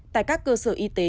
tại các cơ sở y tế